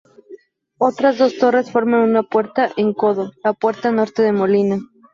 Otras dos torres forman una puerta en codo, la puerta norte de Molina.